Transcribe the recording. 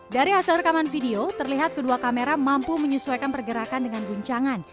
dari hasil rekaman video terlihat kedua kamera mampu menyesuaikan pergerakan dengan guncangan